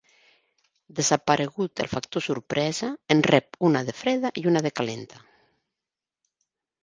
Desaparegut el factor sorpresa, en rep una de freda i una de calenta.